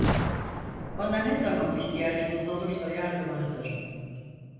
Bana ne zaman ihtiyacınız olursa yardıma hazırım…